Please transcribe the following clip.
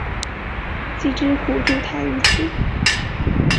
既之国筑台于此。